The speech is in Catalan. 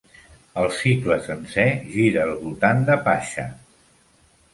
El cicle sencer gira al voltant de Pascha.